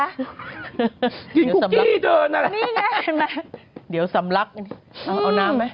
คุกกี้เดินอะไรอ่ะนี่ไงเดี๋ยวสัมลักษณ์เอาน้ำไว้